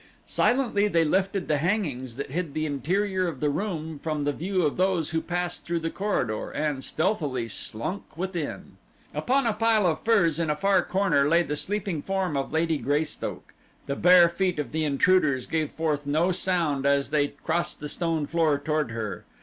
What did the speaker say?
Silently they lifted the hangings that hid the interior of the room from the view of those who passed through the corridor, and stealthily slunk within. Upon a pile of furs in a far corner lay the sleeping form of Lady Greystoke. The bare feet of the intruders gave forth no sound as they crossed the stone floor toward her.